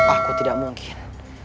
aku tidak mungkin